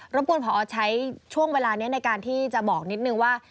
บกวนผอใช้ช่วงเวลานี้ในการที่จะบอกนิดนึงว่า